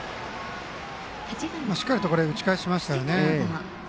しっかりと打ち返しましたよね。